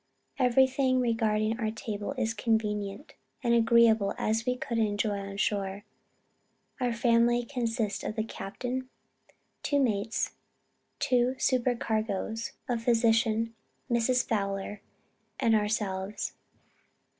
Everything regarding our table, is convenient and agreeable as we could enjoy on shore. Our family consists of the captain, two mates, two supercargoes, a physician, Mrs. Fowler, and ourselves.